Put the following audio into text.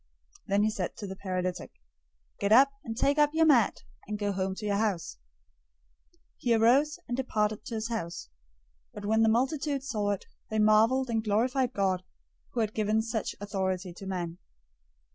(then he said to the paralytic), "Get up, and take up your mat, and go up to your house." 009:007 He arose and departed to his house. 009:008 But when the multitudes saw it, they marveled and glorified God, who had given such authority to men.